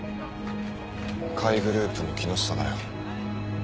甲斐グループの木下だよ。